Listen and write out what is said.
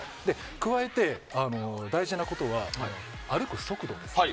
加えて、大事なことは歩く速度です。